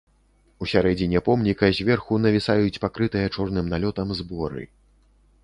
Усярэдзіне помніка зверху навісаюць пакрытыя чорным налётам зборы.